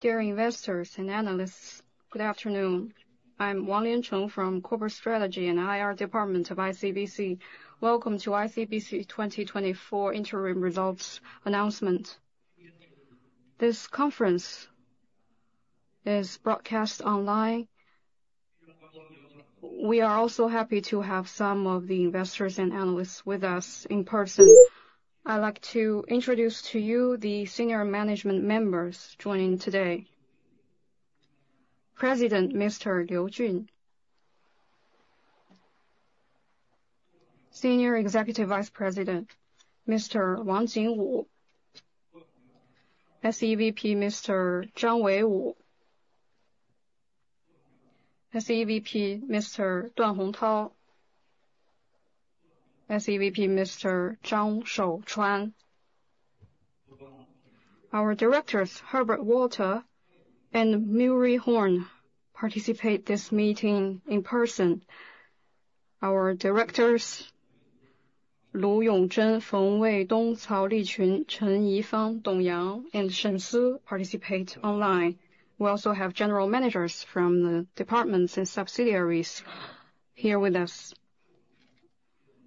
Dear investors and analysts, good afternoon. I'm Wang Liancheng from Corporate Strategy and IR department of ICBC. Welcome to ICBC 2024 interim results announcement. This conference is broadcast online. We are also happy to have some of the investors and analysts with us in person. I'd like to introduce to you the senior management members joining today. President, Mr. Liu Jun. Senior Executive Vice President, Mr. Wang Jingwu. SEVP, Mr. Zhang Wenwu. SEVP, Mr. Duan Hongtao. SEVP, Mr. Zhang Shouchuan. Our directors, Herbert Walter and Murray Horn, participate this meeting in person. Our directors, Lu Yongzhen, Feng Weidong, Cao Liqun, Chen Yifan, Dong Yang, and Shen Si participate online. We also have general managers from the departments and subsidiaries here with us.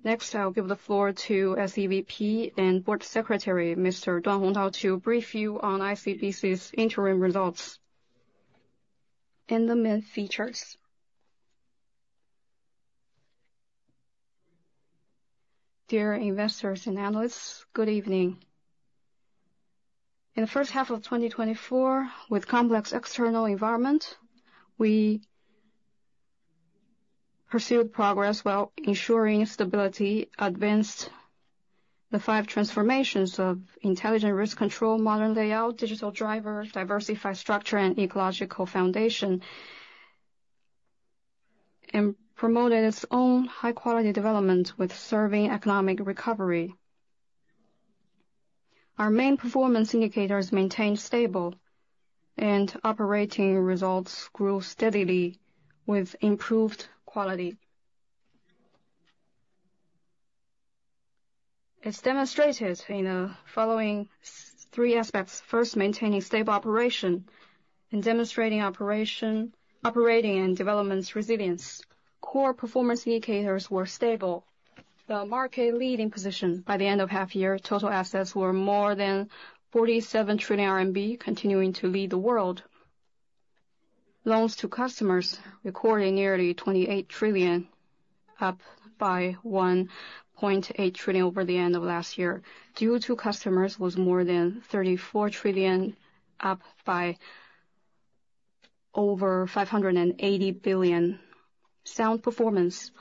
Next, I'll give the floor to SEVP and Board Secretary, Mr. Duan Hongtao, to brief you on ICBC's interim results and the main features. Dear investors and analysts, good evening. In the first half of 2024, with complex external environment, we pursued progress while ensuring stability, advanced the five transformations of intelligent risk control, modern layout, digital drivers, diversified structure, and ecological foundation, and promoted its own high-quality development with serving economic recovery. Our main performance indicators maintained stable, and operating results grew steadily with improved quality. It is demonstrated in the following three aspects. First, maintaining stable operation and demonstrating operation, operating and development resilience. Core performance indicators were stable. The market leading position by the end of half year, total assets were more than 47 trillion RMB, continuing to lead the world. Loans to customers recorded nearly 28 trillion, up by 1.8 trillion over the end of last year. Deposits from customers was more than 34 trillion, up by over 580 billion. Solid performance,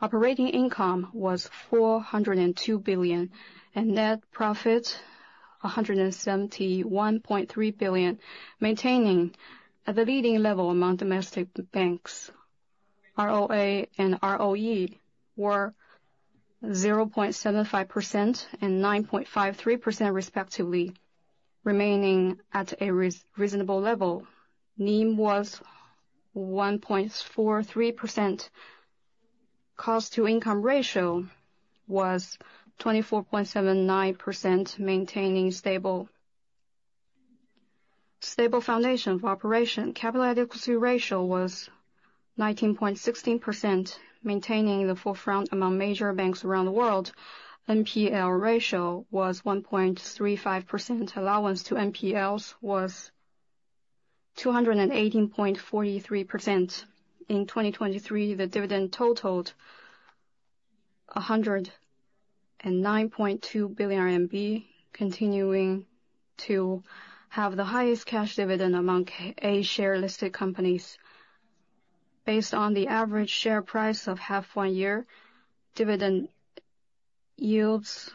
operating income was 402 billion, and net profit, 171.3 billion, maintaining at the leading level among domestic banks. ROA and ROE were 0.75% and 9.53% respectively, remaining at a reasonable level. NIM was 1.43%. Cost to income ratio was 24.79%, maintaining stable. Stable foundation for operation. Capital adequacy ratio was 19.16%, maintaining the forefront among major banks around the world. NPL ratio was 1.35%. Allowance to NPLs was 218.43%. In 2023, the dividend totaled 109.2 billion RMB, continuing to have the highest cash dividend among A-share listed companies. Based on the average share price of the first half of the year, dividend yields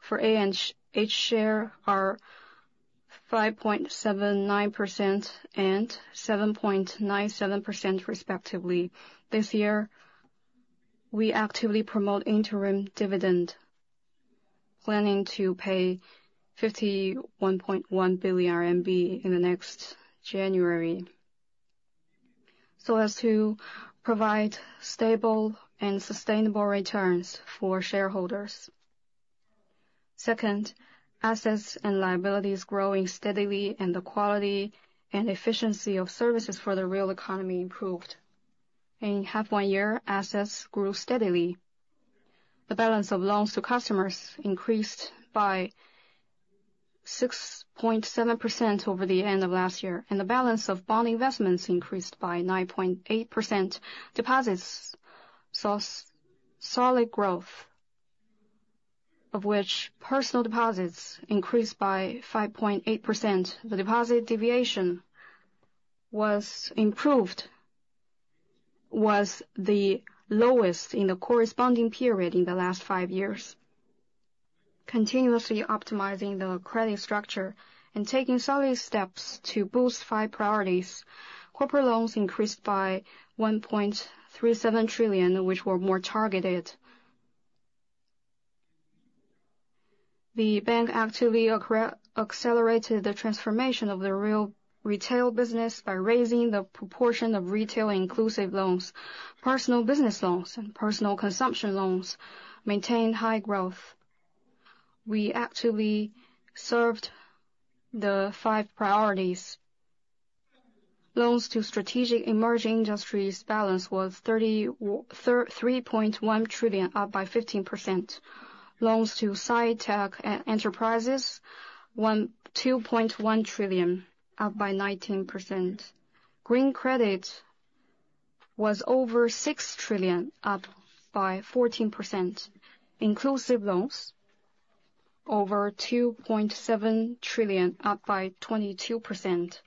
for A- and H-shares are 5.79% and 7.97% respectively. This year, we actively promote interim dividend, planning to pay 51.1 billion RMB in the next January, so as to provide stable and sustainable returns for shareholders. Second, assets and liabilities growing steadily, and the quality and efficiency of services for the real economy improved. In the first half of the year, assets grew steadily. The balance of loans to customers increased by 6.7% over the end of last year, and the balance of bond investments increased by 9.8%. Deposits saw solid growth, of which personal deposits increased by 5.8%. The deposit deviation was improved, was the lowest in the corresponding period in the last five years. Continuously optimizing the credit structure and taking solid steps to boost five priorities, corporate loans increased by 1.37 trillion, which were more targeted. The bank actively accelerated the transformation of the real retail business by raising the proportion of retail inclusive loans. Personal business loans and personal consumption loans maintained high growth. We actively served the five priorities. Loans to strategic emerging industries balance was 3.1 trillion, up 15%. Loans to sci-tech enterprises one point two trillion, up 19%. Green credit was over 6 trillion, up 14%. Inclusive loans over RMB 2.7 trillion, up 22%.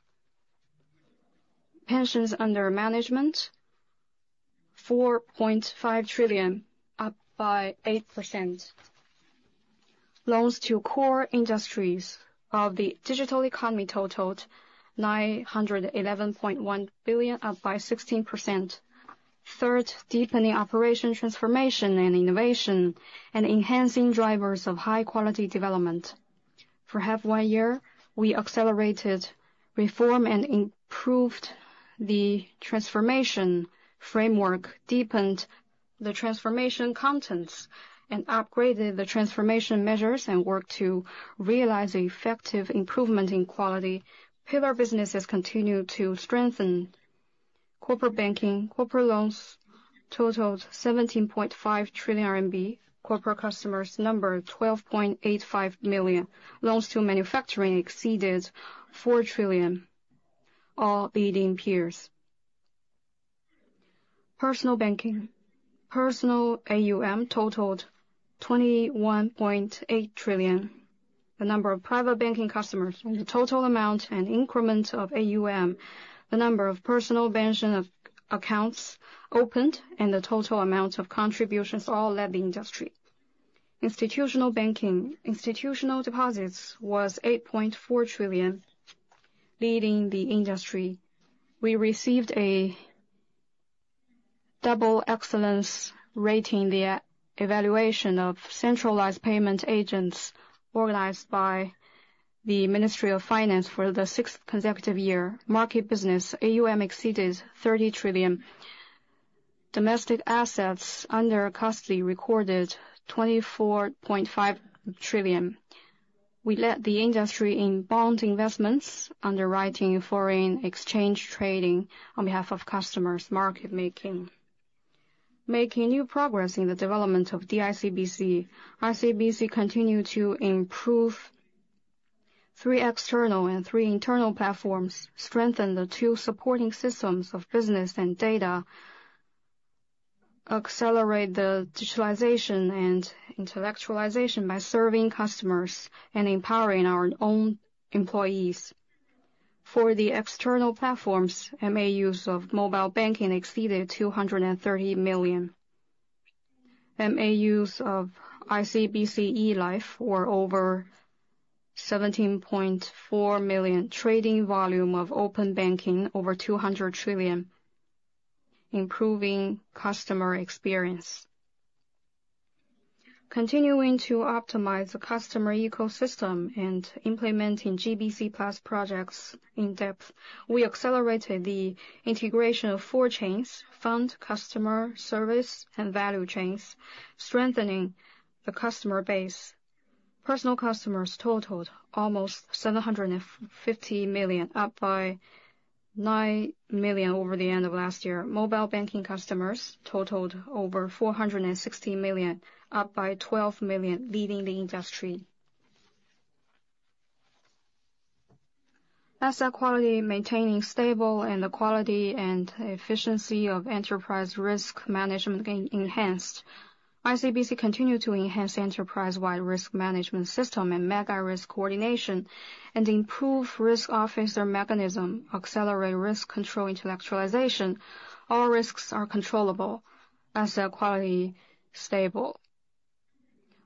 Pensions under management, RMB 4.5 trillion, up 8%. Loans to core industries of the digital economy totaled 911.1 billion, up 16%. Third, deepening operation transformation and innovation and enhancing drivers of high quality development. For half one year, we accelerated reform and improved the transformation framework, deepened the transformation contents, and upgraded the transformation measures, and worked to realize the effective improvement in quality. Pillar businesses continued to strengthen. Corporate banking, corporate loans totaled 17.5 trillion RMB. Corporate customers numbered 12.85 million. Loans to manufacturing exceeded four trillion, all leading peers. Personal banking. Personal AUM totaled 21.8 trillion. The number of private banking customers and the total amount and increment of AUM, the number of personal pension of accounts opened, and the total amount of contributions all led the industry. Institutional banking. Institutional deposits was 8.4 trillion, leading the industry. We received a double excellence rating in the e-evaluation of centralized payment agents organized by the Ministry of Finance for the sixth consecutive year. In market business, AUM exceeded 30 trillion. Domestic assets under custody recorded 24.5 trillion. We led the industry in bond investments, underwriting, foreign exchange trading on behalf of customers, market making. Making new progress in the development of D-ICBC, ICBC continued to improve three external and three internal platforms, strengthen the two supporting systems of business and data, accelerate the digitalization and intellectualization by serving customers and empowering our own employees. For the external platforms, MAUs of mobile banking exceeded 230 million. MAUs of ICBC e-Life were over 17.4 million. Trading volume of open banking over 200 trillion, improving customer experience. Continuing to optimize the customer ecosystem and implementing GBC+ projects in depth, we accelerated the integration of four chains: fund, customer, service, and value chains, strengthening the customer base. Personal customers totaled almost seven hundred and fifty million, up by nine million over the end of last year. Mobile banking customers totaled over four hundred and sixty million, up by twelve million, leading the industry. Asset quality maintaining stable and the quality and efficiency of enterprise risk management enhanced. ICBC continued to enhance enterprise-wide risk management system and mega risk coordination, and improve risk officer mechanism, accelerate risk control intellectualization. All risks are controllable, asset quality stable.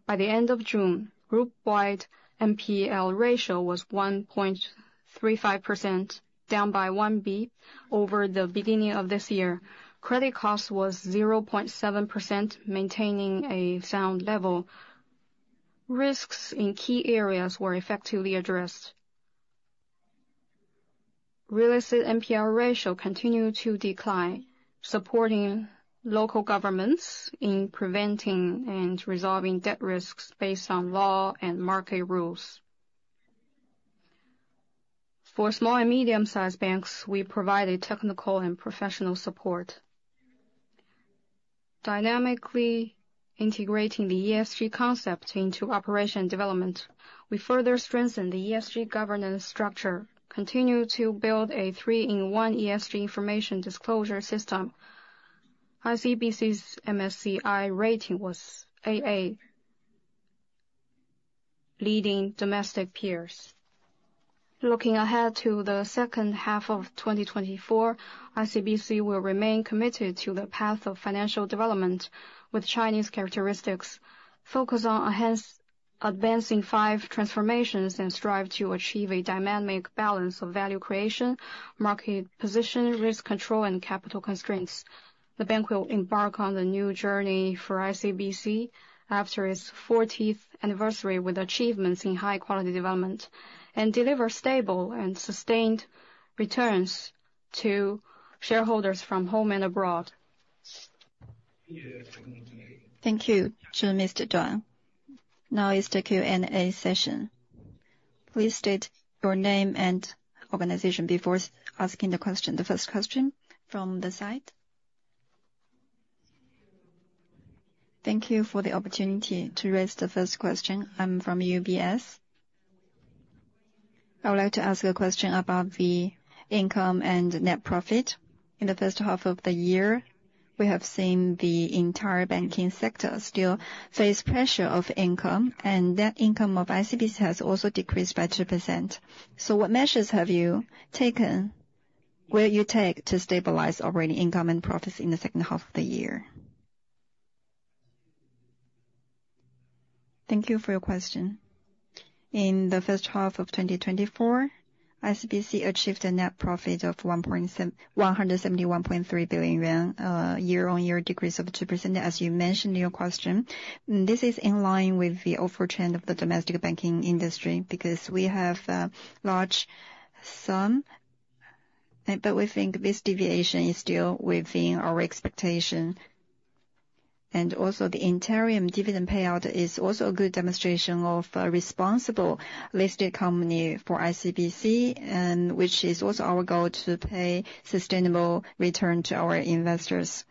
By the end of June, group-wide NPL ratio was 1.35%, down by 1 basis point over the beginning of this year. Credit cost was 0.7%, maintaining a sound level. Risks in key areas were effectively addressed. Real estate NPL ratio continued to decline, supporting local governments in preventing and resolving debt risks based on law and market rules. For small and medium-sized banks, we provided technical and professional support. Dynamically integrating the ESG concept into operation development, we further strengthened the ESG governance structure, continued to build a three-in-one ESG information disclosure system. ICBC's MSCI rating was AA, leading domestic peers. Looking ahead to the second half of twenty twenty-four, ICBC will remain committed to the path of financial development with Chinese characteristics, focus on advancing five transformations, and strive to achieve a dynamic balance of value creation, market position, risk control, and capital constraints. The bank will embark on the new journey for ICBC after its fortieth anniversary with achievements in high quality development, and deliver stable and sustained returns to shareholders from home and abroad. Thank you to Mr. Duan. Now is the Q&A session. Please state your name and organization before asking the question. The first question from the side? Thank you for the opportunity to raise the first question. I'm from UBS. I would like to ask a question about the income and net profit. In the first half of the year, we have seen the entire banking sector still face pressure of income, and net income of ICBC has also decreased by 2%. So what measures have you taken, will you take to stabilize operating income and profits in the second half of the year? Thank you for your question. In the first half of 2024, ICBC achieved a net profit of 171.3 billion yuan, year-on-year decrease of 2%, as you mentioned in your question. This is in line with the overall trend of the domestic banking industry because we have large sum, but we think this deviation is still within our expectation. And also, the interim dividend payout is also a good demonstration of a responsible listed company for ICBC, and which is also our goal to pay sustainable return to our investors.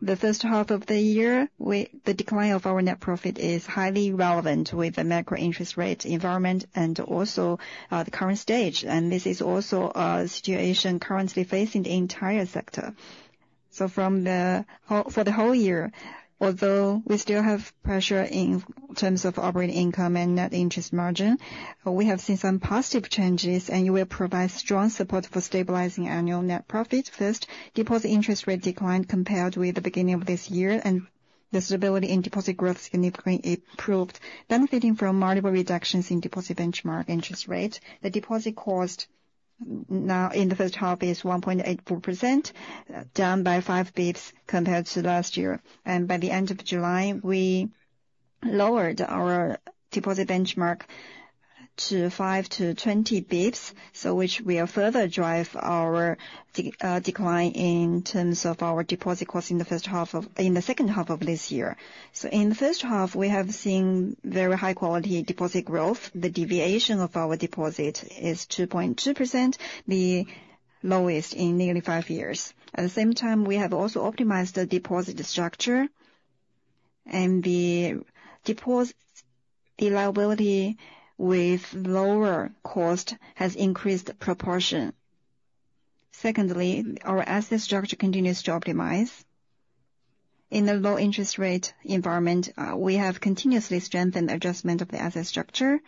The first half of the year, the decline of our net profit is highly relevant with the macro interest rate environment and also, the current stage, and this is also a situation currently facing the entire sector. So from the whole for the whole year, although we still have pressure in terms of operating income and net interest margin, we have seen some positive changes, and it will provide strong support for stabilizing annual net profit. First, deposit interest rate declined compared with the beginning of this year, and the stability in deposit growth significantly improved. Benefiting from multiple reductions in deposit benchmark interest rate, the deposit cost now in the first half is 1.84%, down by five basis points compared to last year. And by the end of July, we lowered our deposit benchmark to five to twenty basis points, so which will further drive our decline in terms of our deposit cost in the second half of this year. So in the first half, we have seen very high-quality deposit growth. The deviation of our deposit is 2.2%, the lowest in nearly five years. At the same time, we have also optimized the deposit structure, and the deposit, the liability with lower cost has increased proportion. Secondly, our asset structure continues to optimize. In a low interest rate environment, we have continuously strengthened the adjustment of the asset structure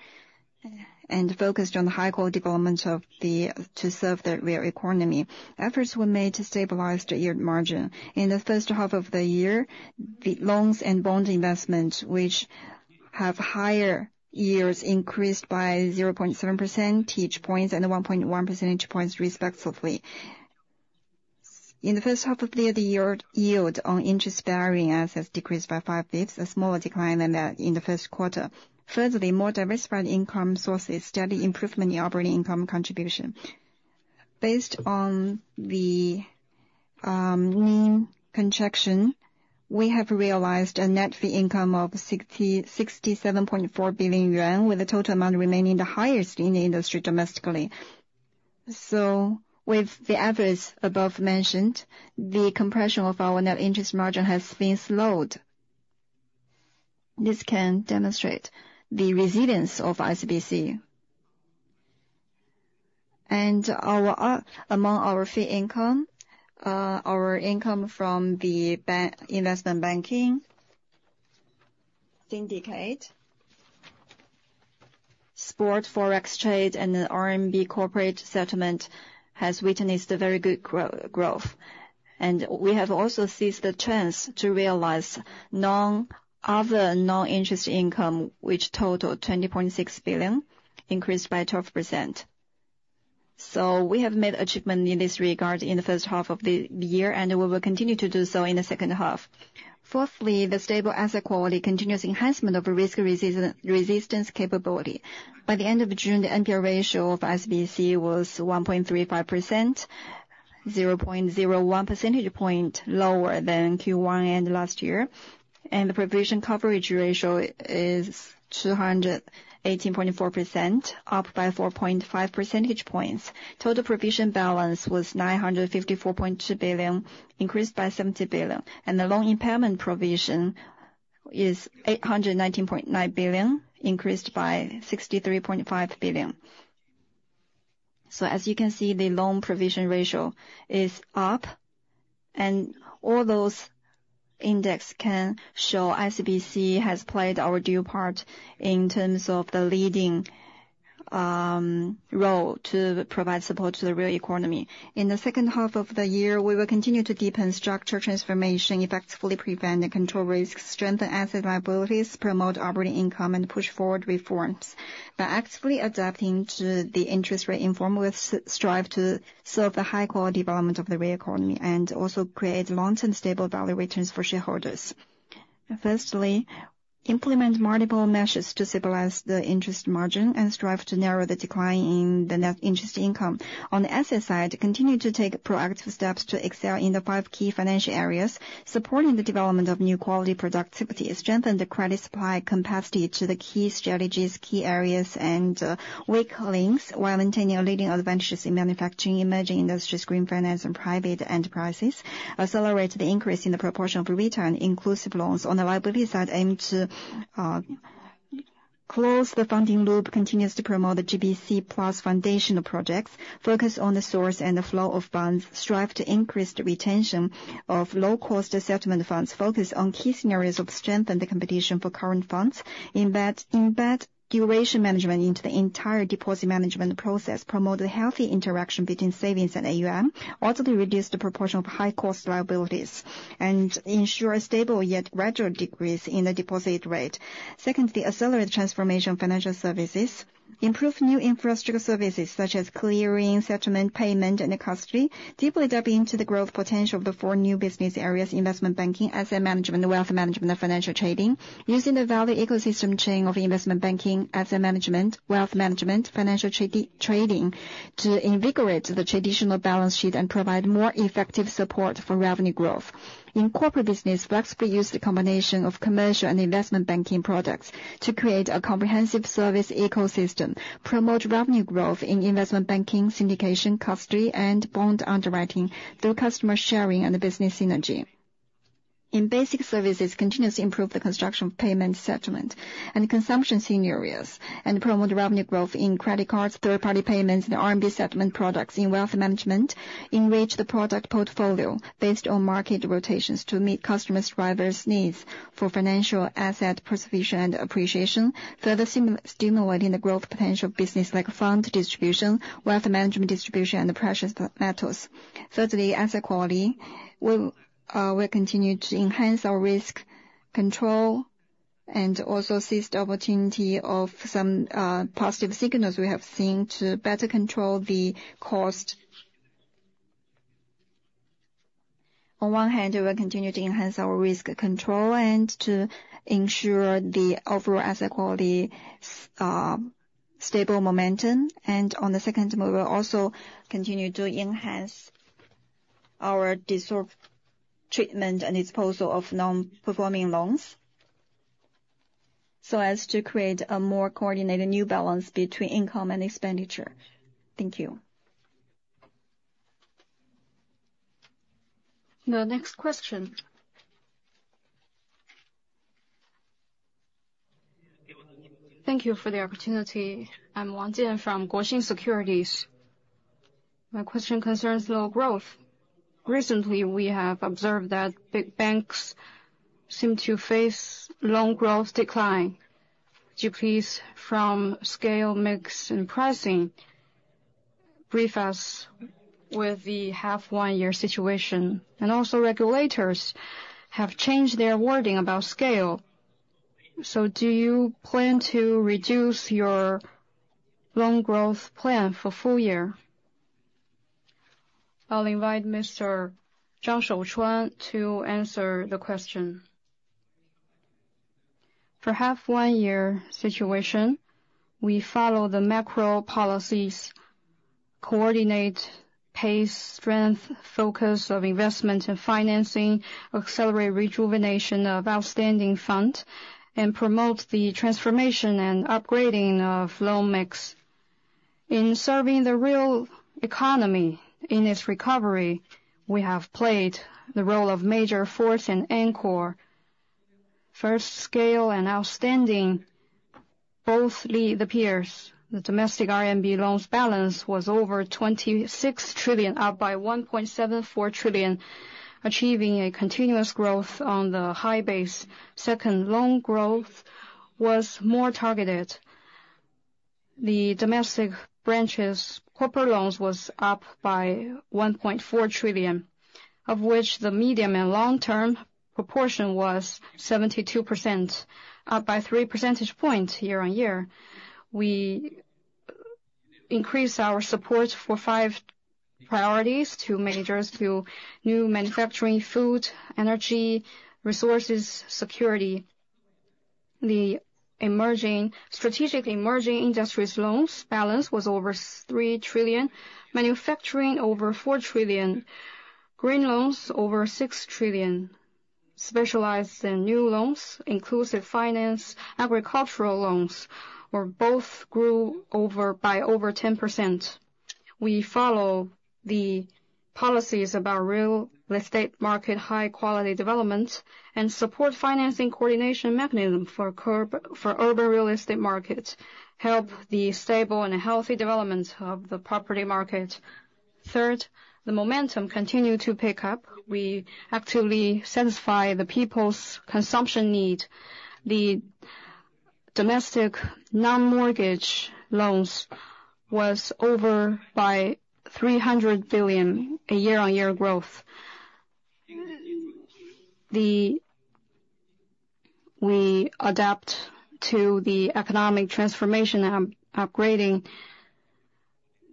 and focused on the high-quality development of the to serve the real economy. Efforts were made to stabilize the yield margin. In the first half of the year, the loans and bond investment, which have higher yields, increased by 0.7% points and 1.1% points respectively. In the first half of the year, the yield on interest-bearing assets decreased by five basis points, a smaller decline than in the first quarter. Further, the more diversified income sources steadily improvement in operating income contribution. Based on the NIM contraction, we have realized a net fee income of 67.4 billion yuan, with a total amount remaining the highest in the industry domestically. With the efforts above mentioned, the compression of our net interest margin has been slowed. This can demonstrate the resilience of ICBC. And our, among our fee income, our income from the investment banking syndicate, spot forex trade, and the RMB corporate settlement has witnessed a very good growth. And we have also seized the chance to realize non-interest income, which totaled 20.6 billion, increased by 12%. So we have made achievement in this regard in the first half of the year, and we will continue to do so in the second half. Fourthly, the stable asset quality continuous enhancement of risk resistance capability. By the end of June, the ratio of ICBC was 1.35%, 0.01% point lower than Q1 end last year, and the provision coverage ratio is 218.4%, up by 4.5% points. Total provision balance was 954.2 billion, increased by 70 billion, and the loan impairment provision is 819.9 billion, increased by 63.5 billion. So as you can see, the loan provision ratio is up, and all those index can show ICBC has played our due part in terms of the leading role to provide support to the real economy. In the second half of the year, we will continue to deepen structure transformation, effectively prevent and control risks, strengthen asset liabilities, promote operating income, and push forward reforms. By actively adapting to the interest rate environment, strive to serve the high-quality development of the real economy and also create long-term stable value returns for shareholders. Firstly, implement multiple measures to stabilize the interest margin and strive to narrow the decline in the net interest income. On the asset side, continue to take proactive steps to excel in the five key financial areas, supporting the development of new quality productivity, and strengthen the credit supply capacity to the key strategies, key areas, and weak links, while maintaining our leading advantages in manufacturing, emerging industries, green finance, and private enterprises. Accelerate the increase in the proportion of return inclusive loans. On the liability side, aim to close the funding loop, continues to promote the GBC Plus foundational projects, focus on the source and the flow of funds, strive to increase the retention of low-cost settlement funds, focus on key scenarios of strength and the competition for current funds, embed duration management into the entire deposit management process, promote a healthy interaction between savings and AUM. Also, to reduce the proportion of high cost liabilities and ensure a stable yet gradual decrease in the deposit rate. Secondly, accelerate transformation financial services. Improve new infrastructure services such as clearing, settlement, payment, and custody. Deeply tap into the growth potential of the four new business areas, investment banking, asset management, wealth management, and financial trading. Using the value ecosystem chain of investment banking, asset management, wealth management, financial trading, to invigorate the traditional balance sheet and provide more effective support for revenue growth. In corporate business, flexibly use the combination of commercial and investment banking products to create a comprehensive service ecosystem, promote revenue growth in investment banking, syndication, custody, and bond underwriting through customer sharing and the business synergy. In basic services, continuously improve the construction of payment, settlement, and consumption scenarios, and promote revenue growth in credit cards, third-party payments, and RMB settlement products. In wealth management, enrich the product portfolio based on market rotations to meet customers' diverse needs for financial asset preservation and appreciation, further stimulating the growth potential of business like fund distribution, wealth management distribution, and precious metals. Thirdly, asset quality. We'll continue to enhance our risk control and also seize the opportunity of some positive signals we have seen to better control the cost. On one hand, we will continue to enhance our risk control and to ensure the overall asset quality's stable momentum. And on the second move, we'll also continue to enhance our diversified treatment and disposal of non-performing loans, so as to create a more coordinated new balance between income and expenditure. Thank you. The next question? Thank you for the opportunity. I'm Wang Jian from Guoxin Securities. My question concerns loan growth. Recently, we have observed that big banks seem to face loan growth decline, pressures from scale, mix, and pricing. Brief us with the first half-year situation. And also, regulators have changed their wording about scale. So do you plan to reduce your loan growth plan for full year? I'll invite Mr. Zhang Shouchuan to answer the question. For the first half-year situation, we follow the macro policies, coordinate pace, strength, focus of investment and financing, accelerate rejuvenation of outstanding fund, and promote the transformation and upgrading of loan mix. In serving the real economy in its recovery, we have played the role of major force and anchor. First, scale and outstanding, both lead the peers. The domestic RMB loans balance was over 26 trillion, up by 1.74 trillion, achieving a continuous growth on the high base. Second, loan growth was more targeted. The domestic branches' corporate loans was up by 1.4 trillion, of which the medium and long-term proportion was 72%, up by three percentage points year on year. We increased our support for Five Priorities to majors, to new manufacturing, food, energy, resources, security. The strategic emerging industries loans balance was over 3 trillion, manufacturing over 4 trillion, green loans over 6 trillion. Specialized new loans, inclusive finance, agricultural loans, both grew by over 10%. We follow the policies about real estate market, high quality development, and support financing coordination mechanism for urban real estate markets, help the stable and healthy development of the property market. Third, the momentum continued to pick up. We actively satisfy the people's consumption need. The domestic non-mortgage loans increased by over 300 billion year on year. We adapt to the economic transformation and upgrading.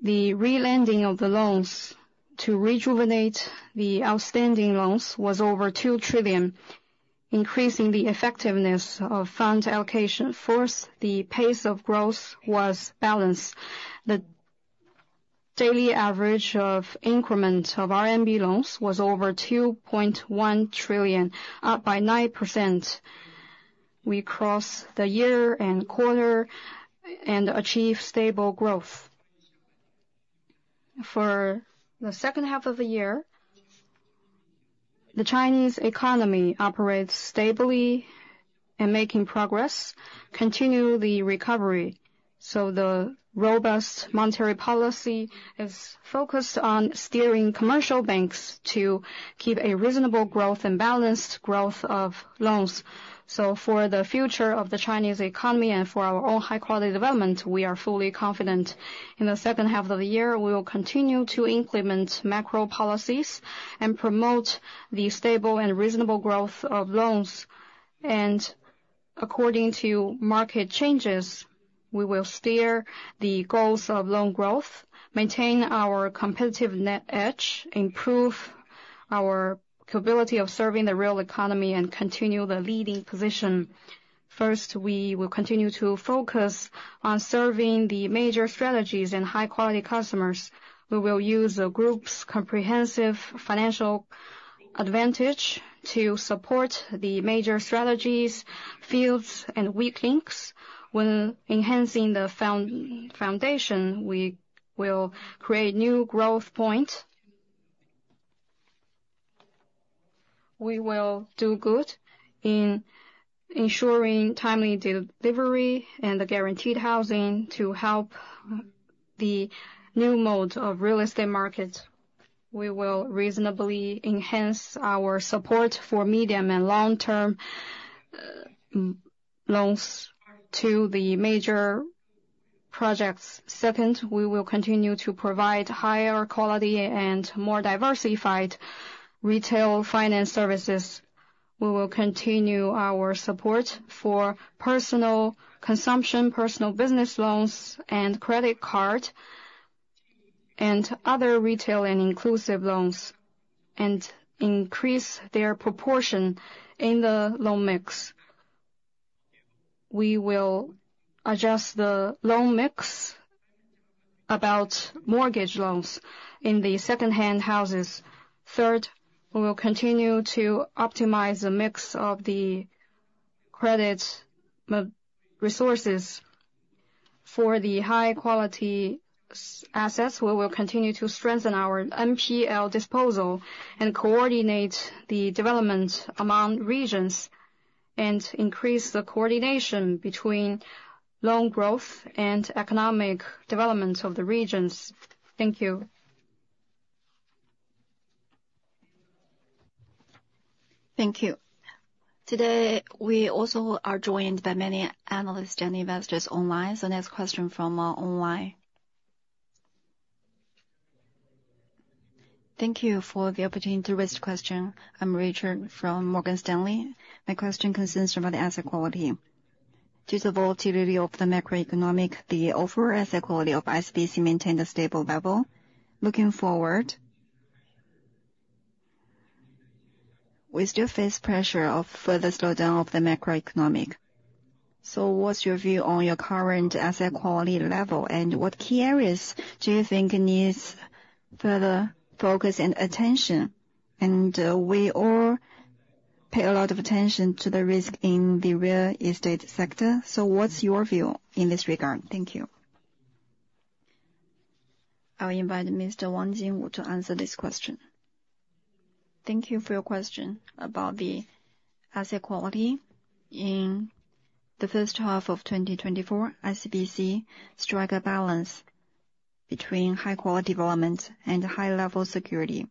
The re-lending of the loans to rejuvenate the outstanding loans was over 2 trillion, increasing the effectiveness of funds allocation. First, the pace of growth was balanced. The daily average increment of RMB loans was over 2.1 trillion, up by 9%. We crossed the year and quarter and achieved stable growth. For the second half of the year, the Chinese economy operates stably and making progress, continue the recovery. So the robust monetary policy is focused on steering commercial banks to keep a reasonable growth and balanced growth of loans. So for the future of the Chinese economy and for our own high quality development, we are fully confident. In the second half of the year, we will continue to implement macro policies and promote the stable and reasonable growth of loans. And according to market changes, we will steer the goals of loan growth, maintain our competitive net edge, improve our capability of serving the real economy, and continue the leading position. First, we will continue to focus on serving the major strategies and high quality customers. We will use the group's comprehensive financial advantage to support the major strategies, fields, and weak links. When enhancing the foundation, we will create new growth point. We will do good in ensuring timely delivery and the guaranteed housing to help the new mode of real estate markets. We will reasonably enhance our support for medium and long-term loans to the major projects. Second, we will continue to provide higher quality and more diversified retail finance services. We will continue our support for personal consumption, personal business loans, and credit card, and other retail and inclusive loans, and increase their proportion in the loan mix. We will adjust the loan mix about mortgage loans in the second-hand houses. Third, we will continue to optimize the mix of the credit resources for the high quality assets. We will continue to strengthen our NPL disposal and coordinate the development among regions, and increase the coordination between loan growth and economic development of the regions. Thank you. Thank you. Today, we also are joined by many analysts and investors online. So next question from, online. Thank you for the opportunity to ask the question. I'm Richard from Morgan Stanley. My question concerns about the asset quality. Due to the volatility of the macroeconomic, the overall asset quality of ICBC maintained a stable level. Looking forward, we still face pressure of further slowdown of the macroeconomic. So what's your view on your current asset quality level, and what key areas do you think needs further focus and attention? And, we all pay a lot of attention to the risk in the real estate sector, so what's your view in this regard? Thank you. I'll invite Mr. Wang Jingwu to answer this question. Thank you for your question about the asset quality. In the first half of 2024, ICBC strike a balance between high quality development and high level security.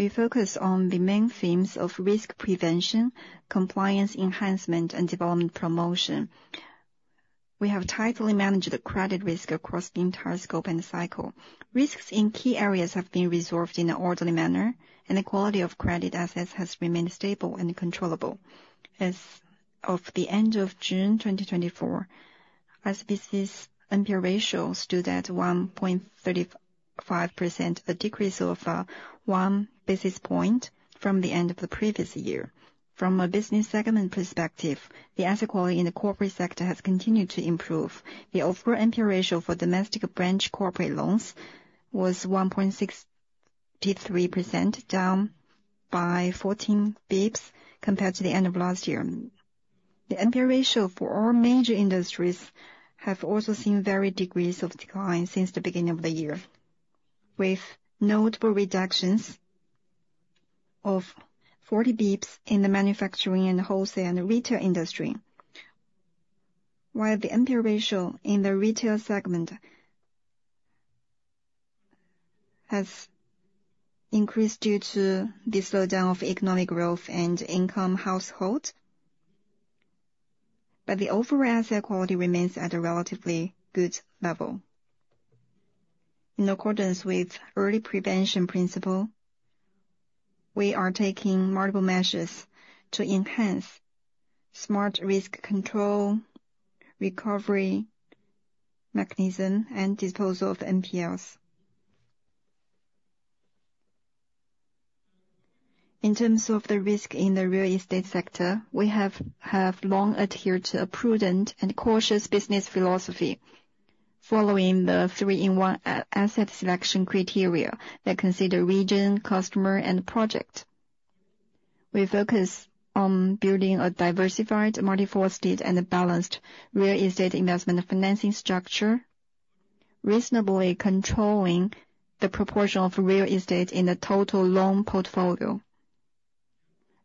We focus on the main themes of risk prevention, compliance enhancement, and development promotion. We have tightly managed the credit risk across the entire scope and cycle. Risks in key areas have been resolved in an orderly manner, and the quality of credit assets has remained stable and controllable. As of the end of June 2024, ICBC's NPL ratio stood at 1.35%, a decrease of 1 basis point from the end of the previous year. From a business segment perspective, the asset quality in the corporate sector has continued to improve. The overall NPL ratio for domestic branch corporate loans was 1.63%, down by 14 basis points compared to the end of last year. The NPL ratio for all major industries have also seen varied degrees of decline since the beginning of the year, with notable reductions of 40 basis points in the manufacturing and wholesale and retail industry. While the NPL ratio in the retail segment has increased due to the slowdown of economic growth and household income, but the overall asset quality remains at a relatively good level. In accordance with early prevention principle. We are taking multiple measures to enhance smart risk control, recovery mechanism, and disposal of NPLs. In terms of the risk in the real estate sector, we have long adhered to a prudent and cautious business philosophy, following the three-in-one asset selection criteria that consider region, customer, and project. We focus on building a diversified, multi-faceted, and a balanced real estate investment financing structure, reasonably controlling the proportion of real estate in the total loan portfolio,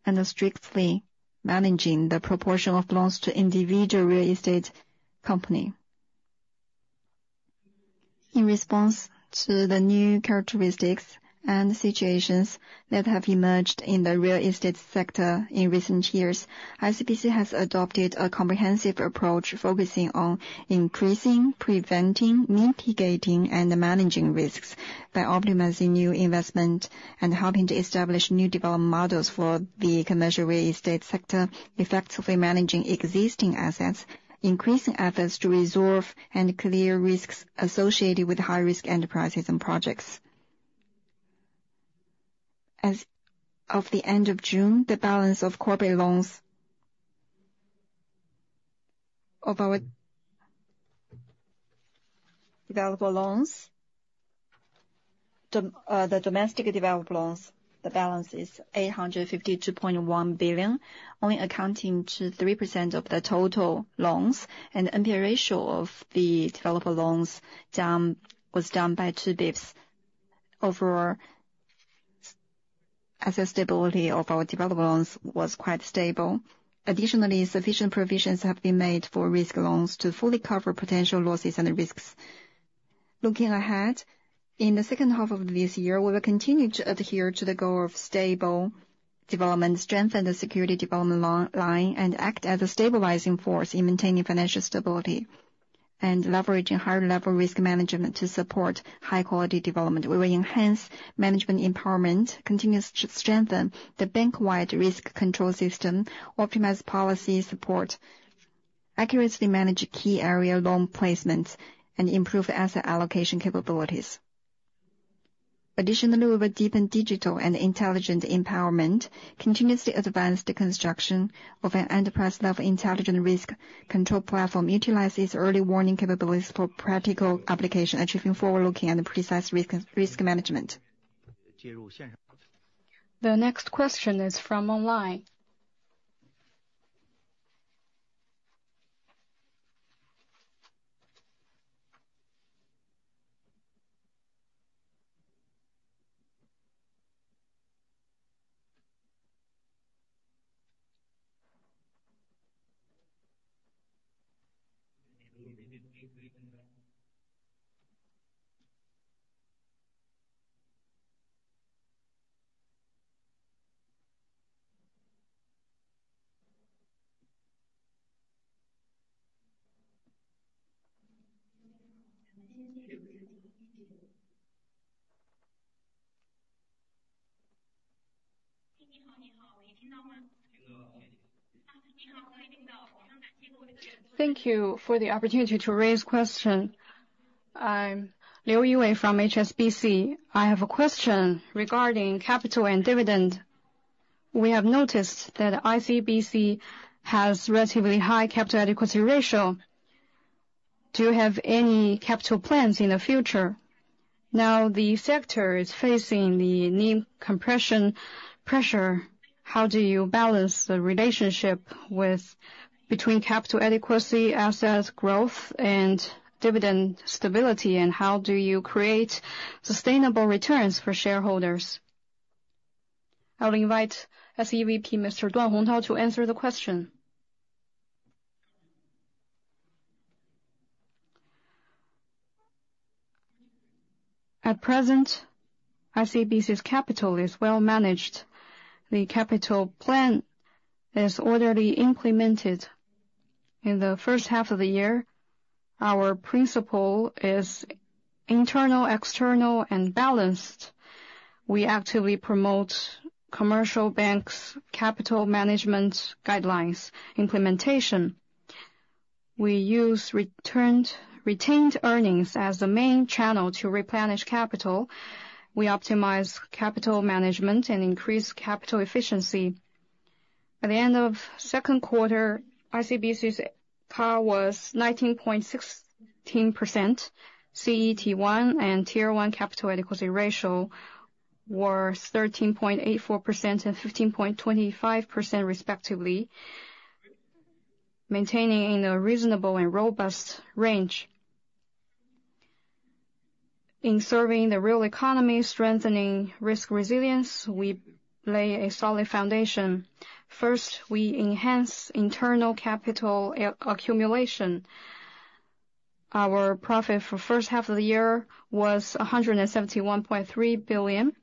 and strictly managing the proportion of loans to individual real estate company. In response to the new characteristics and situations that have emerged in the real estate sector in recent years, ICBC has adopted a comprehensive approach, focusing on increasing, preventing, mitigating, and managing risks by optimizing new investment and helping to establish new development models for the commercial real estate sector, effectively managing existing assets, increasing efforts to resolve and clear risks associated with high-risk enterprises and projects. As of the end of June, the balance of corporate loans of our developer loans, the domestic developer loans, the balance is 852.1 billion, only accounting to 3% of the total loans, and the NPL ratio of the developer loans down, was down by two basis points. Overall, asset stability of our developer loans was quite stable. Additionally, sufficient provisions have been made for risk loans to fully cover potential losses and the risks. Looking ahead, in the second half of this year, we will continue to adhere to the goal of stable development, strengthen the security development line, and act as a stabilizing force in maintaining financial stability, and leveraging higher level risk management to support high quality development. We will enhance management empowerment, continuously to strengthen the bank-wide risk control system, optimize policy support, accurately manage key area loan placements, and improve asset allocation capabilities. Additionally, we will deepen digital and intelligent empowerment, continuously advance the construction of an enterprise-level intelligent risk control platform, utilize its early warning capabilities for practical application, achieving forward-looking and precise risk management. The next question is from online. Thank you for the opportunity to raise question. I'm Liu Yi from HSBC. I have a question regarding capital and dividend. We have noticed that ICBC has relatively high capital adequacy ratio. Do you have any capital plans in the future? Now, the sector is facing the new compression pressure. How do you balance the relationship between capital adequacy, assets growth, and dividend stability, and how do you create sustainable returns for shareholders? I'll invite SEVP, Mr. Duan Hongtao, to answer the question. At present, ICBC's capital is well managed. The capital plan is orderly implemented. In the first half of the year, our principle is internal, external, and balanced. We actively promote commercial banks' capital management guidelines implementation. We use retained earnings as the main channel to replenish capital. We optimize capital management and increase capital efficiency. At the end of second quarter, ICBC's CAR was 19.16%. CET1 and Tier 1 capital adequacy ratio were 13.84% and 15.25%, respectively, maintaining in a reasonable and robust range. In serving the real economy, strengthening risk resilience, we lay a solid foundation. First, we enhance internal capital accumulation. Our profit for first half of the year was 171.3 billion,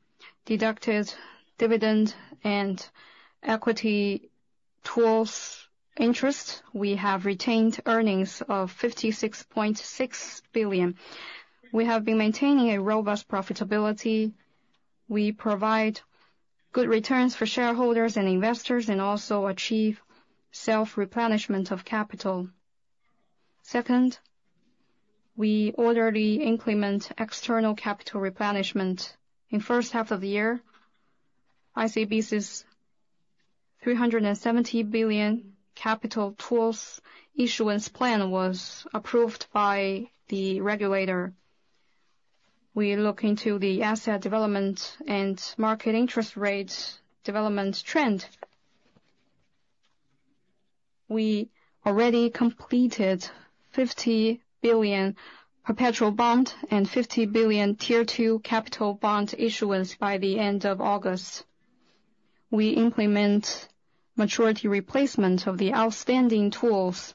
deducted dividend and equity tools interest, we have retained earnings of 56.6 billion. We have been maintaining a robust profitability. We provide good returns for shareholders and investors, and also achieve self-replenishment of capital. Second, we orderly implement external capital replenishment. In first half of the year, ICBC's 370 billion capital tools issuance plan was approved by the regulator. We look into the asset development and market interest rates development trend. We already completed 50 billion perpetual bond and 50 billion Tier 2 Capital Bond issuance by the end of August. We implement maturity replacement of the outstanding tools,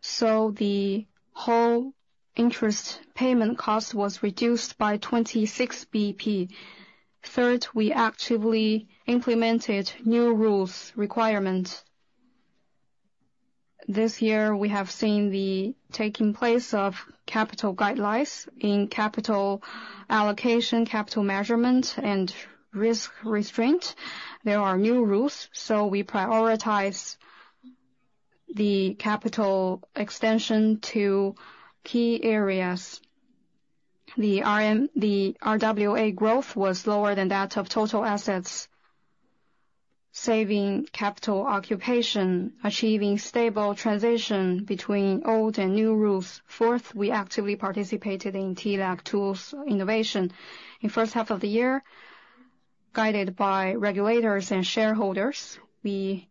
so the whole interest payment cost was reduced by 26 basis points. Third, we actively implemented new rules requirement. This year, we have seen the taking place of capital guidelines in capital allocation, capital measurement, and risk restraint. There are new rules, so we prioritize the capital extension to key areas. The RWA growth was lower than that of total assets, saving capital occupation, achieving stable transition between old and new rules. Fourth, we actively participated in TLAC tools innovation. In first half of the year, guided by regulators and shareholders, we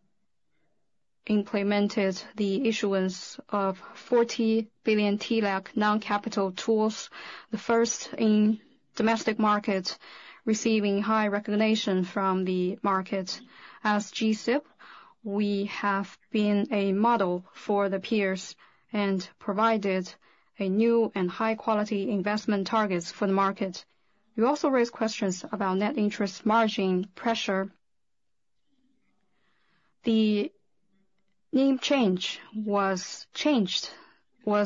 implemented the issuance of 40 billion TLAC non-capital tools, the first in domestic market, receiving high recognition from the market. As G-SIB, we have been a model for the peers and provided a new and high quality investment targets for the market. You also raised questions about net interest margin pressure. The NIM change was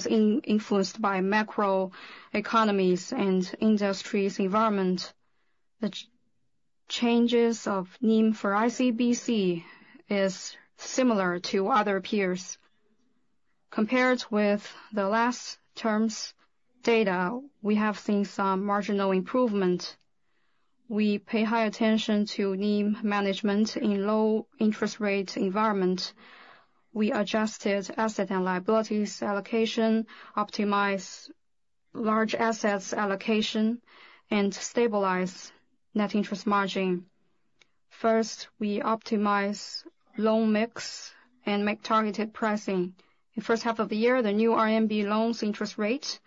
influenced by macroeconomic and industry environment. The changes of NIM for ICBC is similar to other peers. Compared with the last term's data, we have seen some marginal improvement. We pay high attention to NIM management in low interest rate environment. We adjusted asset and liabilities allocation, optimize large assets allocation, and stabilize net interest margin. First, we optimize loan mix and make targeted pricing. In first half of the year, the new RMB loans interest rate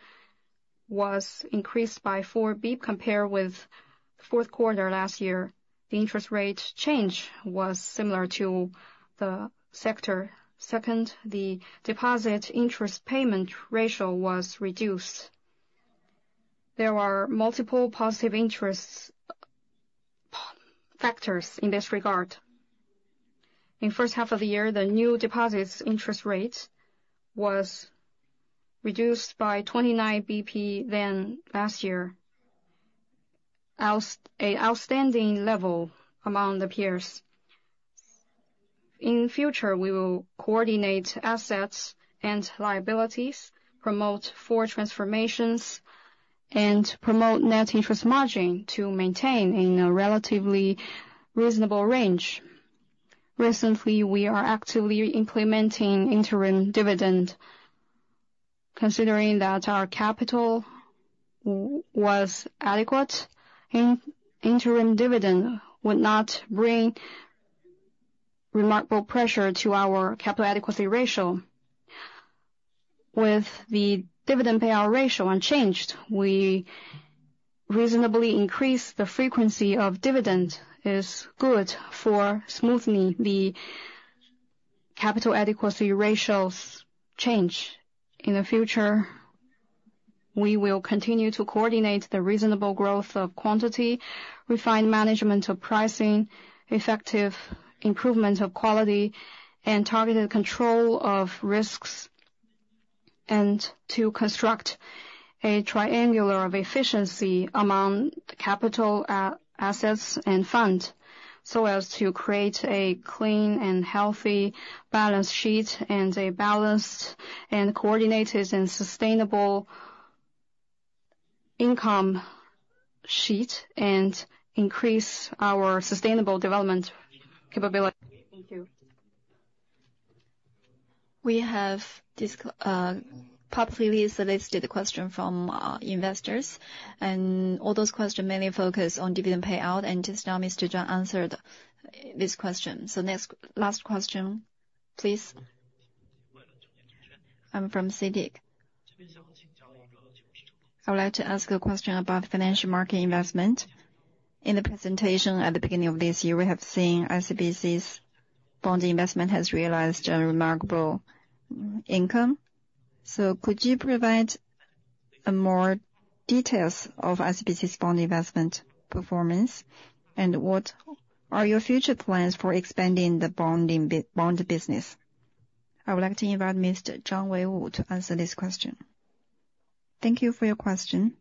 was increased by four basis points, compared with fourth quarter last year. The interest rate change was similar to the sector. Second, the deposit interest payment ratio was reduced. There are multiple positive interests, factors in this regard. In first half of the year, the new deposits interest rate was reduced by twenty-nine basis points than last year. Outstanding level among the peers. In future, we will coordinate assets and liabilities, promote four transformations, and promote net interest margin to maintain in a relatively reasonable range. Recently, we are actively implementing interim dividend, considering that our capital was adequate, interim dividend would not bring remarkable pressure to our capital adequacy ratio. With the dividend payout ratio unchanged, we reasonably increase the frequency of dividend is good for smoothing the capital adequacy ratios change. In the future, we will continue to coordinate the reasonable growth of quantity, refine management of pricing, effective improvement of quality, and targeted control of risks, and to construct a triangle of efficiency among the capital, assets and funds, so as to create a clean and healthy balance sheet, and a balanced and coordinated and sustainable income sheet, and increase our sustainable development capability. Thank you. We have publicly solicited a question from investors, and all those questions mainly focus on dividend payout, and just now, Mr. Zhang answered this question. So next, last question, please. I'm from CITIC. I would like to ask a question about financial market investment. In the presentation at the beginning of this year, we have seen ICBC's bond investment has realized a remarkable income. So could you provide more details of ICBC's bond investment performance, and what are your future plans for expanding the bond business? I would like to invite Mr. Zhang Wenwu to answer this question. Thank you for your question.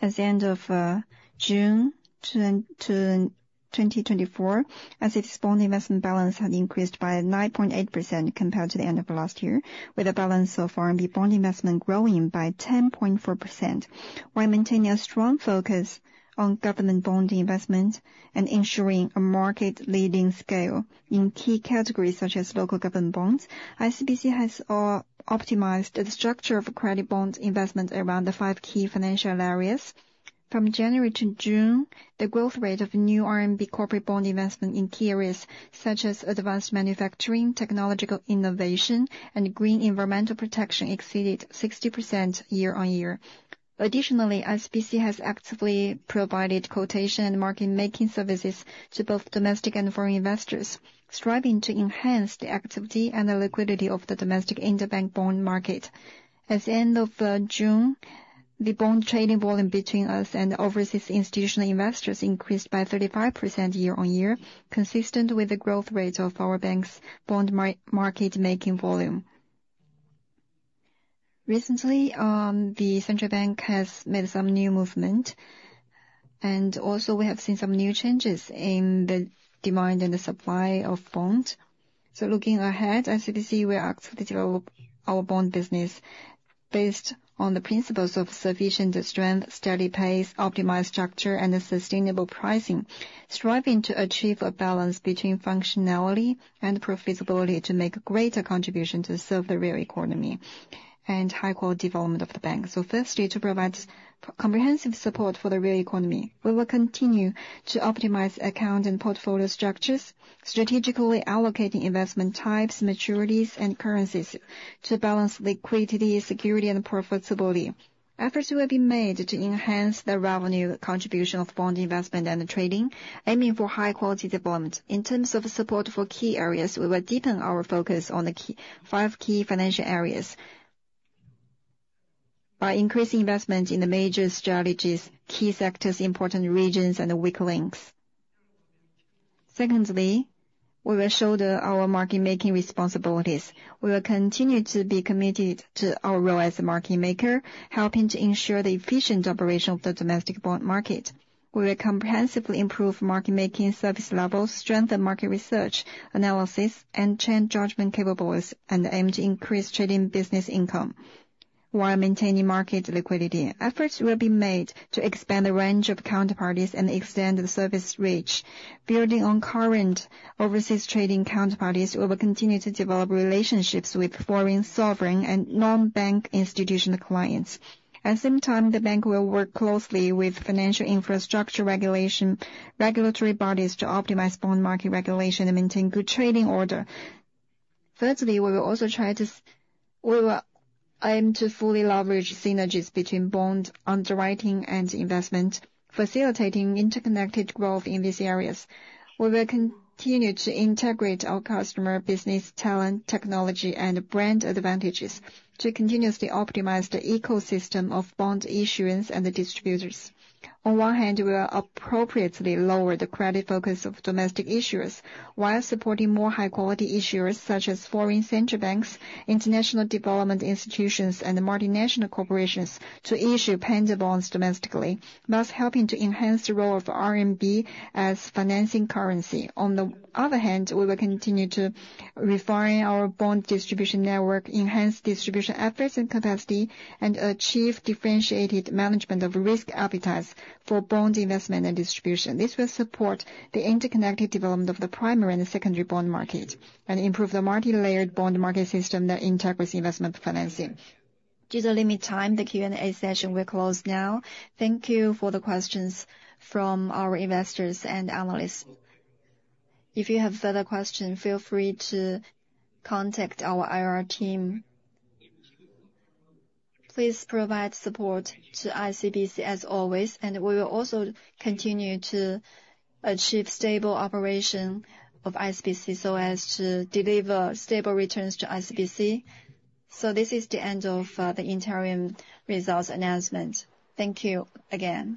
At the end of June 2024, ICBC's bond investment balance had increased by 9.8% compared to the end of last year, with the balance of RMB bond investment growing by 10.4%, while maintaining a strong focus on government bond investment and ensuring a market-leading scale in key categories such as local government bonds. ICBC has optimized the structure of credit bond investment around the five key financial areas. From January to June, the growth rate of new RMB corporate bond investment in key areas such as advanced manufacturing, technological innovation, and green environmental protection exceeded 60% year on year. Additionally, ICBC has actively provided quotation and market-making services to both domestic and foreign investors, striving to enhance the activity and the liquidity of the domestic interbank bond market. At the end of June, the bond trading volume between us and overseas institutional investors increased by 35% year on year, consistent with the growth rate of our bank's bond market making volume. Recently, the central bank has made some new movement, and also we have seen some new changes in the demand and the supply of bonds. So looking ahead, ICBC will actively develop our bond business based on the principles of sufficient strength, steady pace, optimized structure, and a sustainable pricing, striving to achieve a balance between functionality and profitability to make greater contribution to serve the real economy and high quality development of the bank. So firstly, to provide comprehensive support for the real economy, we will continue to optimize account and portfolio structures, strategically allocating investment types, maturities, and currencies to balance liquidity, security, and profitability. Efforts will be made to enhance the revenue contribution of bond investment and trading, aiming for high quality development. In terms of support for key areas, we will deepen our focus on the five key financial areas by increasing investment in the major strategies, key sectors, important regions, and weak links. Secondly, we will show our market making responsibilities. We will continue to be committed to our role as a market maker, helping to ensure the efficient operation of the domestic bond market. We will comprehensively improve market-making service levels, strengthen market research, analysis, and trend judgment capabilities, and aim to increase trading business income while maintaining market liquidity. Efforts will be made to expand the range of counterparties and extend the service reach. Building on current overseas trading counterparties, we will continue to develop relationships with foreign sovereign and non-bank institutional clients. At the same time, the bank will work closely with financial infrastructure regulation, regulatory bodies to optimize bond market regulation and maintain good trading order. Thirdly, we will also aim to fully leverage synergies between bond underwriting and investment, facilitating interconnected growth in these areas. We will continue to integrate our customer business talent, technology, and brand advantages to continuously optimize the ecosystem of bond issuance and the distributors. On one hand, we will appropriately lower the credit focus of domestic issuers, while supporting more high-quality issuers, such as foreign central banks, international development institutions, and multinational corporations, to issue Panda Bonds domestically, thus helping to enhance the role of RMB as financing currency. On the other hand, we will continue to refine our bond distribution network, enhance distribution efforts and capacity, and achieve differentiated management of risk appetites for bond investment and distribution. This will support the interconnected development of the primary and secondary bond market and improve the multilayered bond market system that integrates investment financing. Due to limited time, the Q&A session will close now. Thank you for the questions from our investors and analysts. If you have further questions, feel free to contact our IR team. Please provide support to ICBC as always, and we will also continue to achieve stable operation of ICBC so as to deliver stable returns to ICBC so this is the end of the interim results announcement. Thank you again!